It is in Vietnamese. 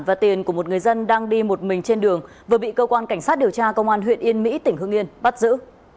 và tiền của một người dân đang đi một mình trên đường vừa bị cơ quan cảnh sát điều tra công an huyện yên mỹ tỉnh hương yên bắt giữ